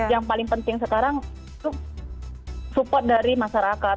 yang paling penting sekarang itu support dari masyarakat